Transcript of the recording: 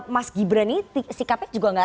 mas gibra ini sikapnya juga gak terlalu